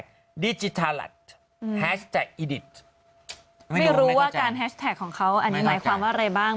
ไม่รู้ว่าการแฮชแท็กของเขาอันนี้หมายความว่าอะไรบ้าง